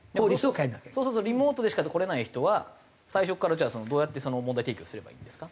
そうするとリモートでしか来れない人は最初からじゃあどうやって問題提起をすればいいんですか？